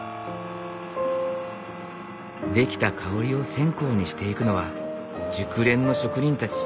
出来た香りを線香にしていくのは熟練の職人たち。